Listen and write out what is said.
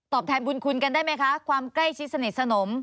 แทนบุญคุณกันได้ไหมคะความใกล้ชิดสนิทสนม